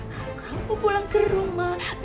kamu kamu pulang ke rumah